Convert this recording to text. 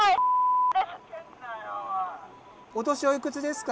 お年はおいくつですか？